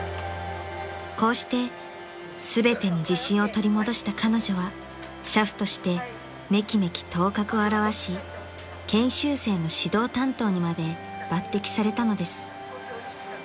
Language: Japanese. ［こうして全てに自信を取り戻した彼女は俥夫としてめきめき頭角を現し研修生の指導担当にまで抜てきされたのです］